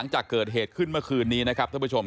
โอ้โหโอ้โหโอ้โหโอ้โหโอ้โห